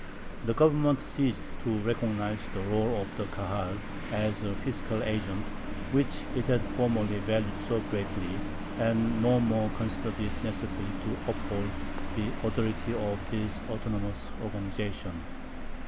The Government ceased to recognize the rôle of the Kahal as a fiscal agent, which it had formerly valued so greatly, and no more considered it necessary to uphold the authority of this autonomous organization.